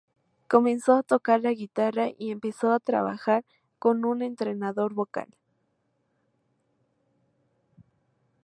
Comenzó a tocar la guitarra y empezó a trabajar con un entrenador vocal.